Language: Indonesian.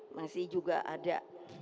masih juga ada